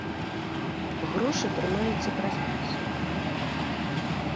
Грошы прымаюцца праз касу.